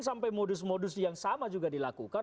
sampai modus modus yang sama juga dilakukan